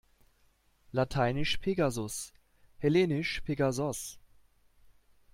Lateinisch Pegasus, hellenisch Pegasos.